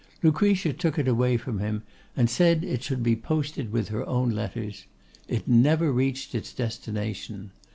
Lucretia took it away from him, and said it should be posted with her own letters. It never reached its destination.